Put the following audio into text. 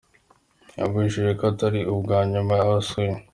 Yabijeje ko atari ubwa nyuma abasuye.